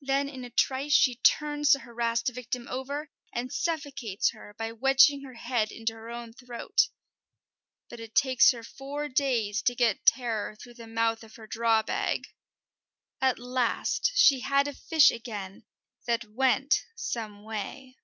Then in a trice she turns the harassed victim over, and suffocates her by wedging her head into her own throat. But it takes her four days to get Terror through the mouth of her draw bag. At last she had a fish again that went some way!